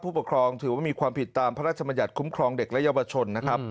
พบกรองถือว่ามีความผิดตามพระราชมัยัตคุ้มครองเด็กและเยาวะชน